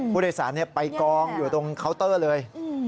ผู้โดยสารไปกองอยู่ตรงเคาน์เตอร์เลย